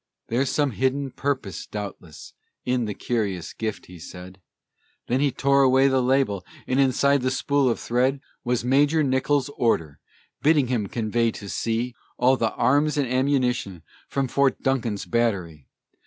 "There's some hidden purpose, doubtless, in the curious gift," he said. Then he tore away the label, and inside the spool of thread Was Major Nichol's order, bidding him convey to sea All the arms and ammunition from Fort Duncan's battery.